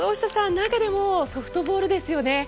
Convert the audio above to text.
中でもソフトボールですよね。